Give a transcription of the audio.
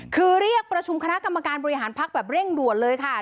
คือเรียกประชุมคณะกรรมการบริหารพักแบบเร่งด่วนเลยค่ะ